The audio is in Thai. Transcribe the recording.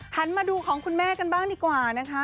มาดูของคุณแม่กันบ้างดีกว่านะคะ